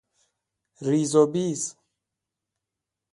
ریز و بیز